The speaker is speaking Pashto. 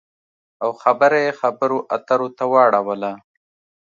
او خبره یې خبرو اترو ته واړوله